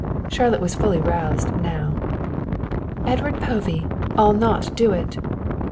Charlotte was fully roused now. "Edward Povey, I'll not do it."